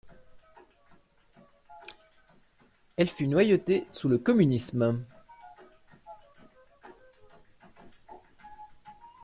Elle fut noyautée sous le communisme.